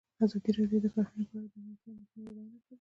ازادي راډیو د کرهنه په اړه د امنیتي اندېښنو یادونه کړې.